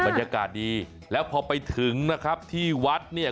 บรรยากาศดีแล้วพอไปถึงนะครับที่วัดเนี่ย